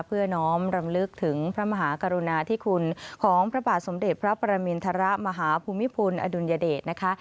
เพื่อน้อมรำลึกถึงพระมหากรุณาธิคุณของพระบาทสมเด็จพระประมินทรมาฮภูมิพลอดุลยเดชนะคะ